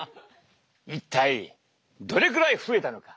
一体どれくらい増えたのか。